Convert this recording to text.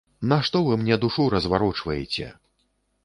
Нашто вы мне душу разварочваеце?